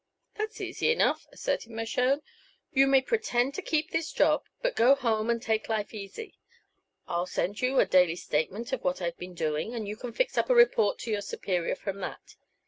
"That's easy enough," asserted Mershone. "You may pretend to keep this job, but go home and take life easy. I'll send you a daily statement of what I've been doing, and you can fix up a report to your superior from that.